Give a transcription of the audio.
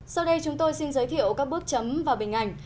sau đây chúng tôi xin giới thiệu các bước chấm và bình ảnh